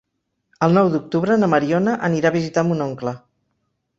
El nou d'octubre na Mariona anirà a visitar mon oncle.